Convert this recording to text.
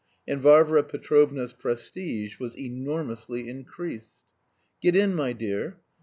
And Varvara Petrovna's prestige was enormously increased. "Get in, my dear."